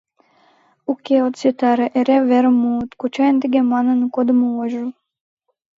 Уке, от ситаре, эре верым муыт», Кочайын тыге манын кодымо ойжо